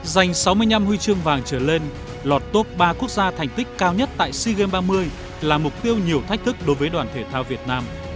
giành sáu mươi năm huy chương vàng trở lên lọt top ba quốc gia thành tích cao nhất tại sea games ba mươi là mục tiêu nhiều thách thức đối với đoàn thể thao việt nam